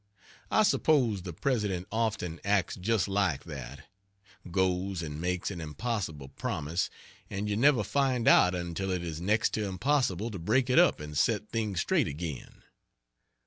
I suppose the President often acts just like that: goes and makes an impossible promise, and you never find it out until it is next to impossible to break it up and set things straight again.